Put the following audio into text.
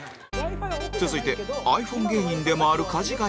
続いてｉＰｈｏｎｅ芸人でもあるかじがや